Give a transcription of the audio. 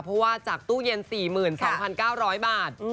เพราะว่าจากตู้เย็น๔๒๙๐๐บาท